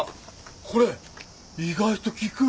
これ意外と効く。